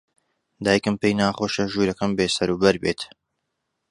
دایکم پێی ناخۆشە ژوورەکەم بێسەروبەر بێت.